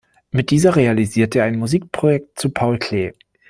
Mit dieser realisierte er ein Musikprojekt zu Paul Klee.